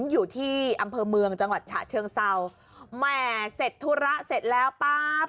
อยู่ที่อำเภอเมืองจังหวัดฉะเชิงเศร้าแหม่เสร็จธุระเสร็จแล้วป๊าบ